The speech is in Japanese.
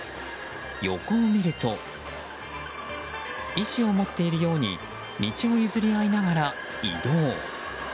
横を見ると意思を持っているように道を譲り合いながら移動。